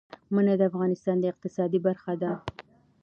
منی د افغانستان د اقتصاد برخه ده.